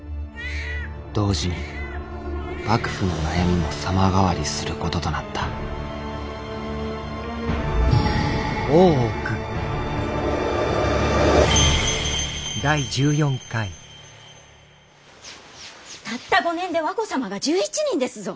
同時に幕府の悩みも様変わりすることとなったたった５年で和子様が１１人ですぞ！